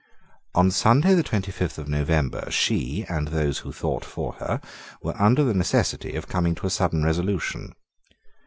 On Sunday the twenty fifth of November, she, and those who thought for her, were under the necessity of coming to a sudden resolution.